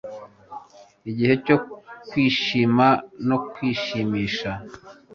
igihe cyo kwishima no kwishimisha